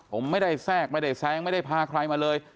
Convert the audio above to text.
ผมไม่ได้แทรกไม่ได้แซงไม่ได้พาใครมาเลย